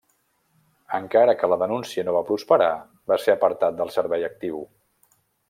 Encara que la denúncia no va prosperar, va ser apartat del servei actiu.